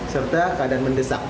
serta keadaan mendesak